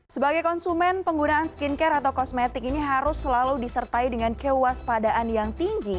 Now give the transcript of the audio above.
sebagai konsumen penggunaan skincare atau kosmetik ini harus selalu disertai dengan kewaspadaan yang tinggi